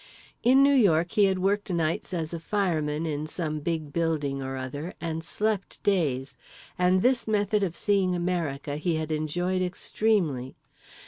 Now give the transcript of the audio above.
In New York he had worked nights as a fireman in some big building or other and slept days, and this method of seeing America he had enjoyed extremely.